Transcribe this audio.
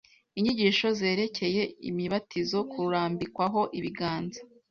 inyigisho zerekeye imibatizo kurambikwaho ibiganza